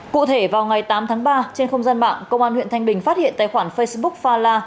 cụ thể vào ngày tám tháng ba trên không gian mạng công an huyện thanh bình phát hiện tài khoản facebook fala